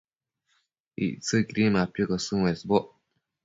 Ictsëcquidi mapiocosën uesboc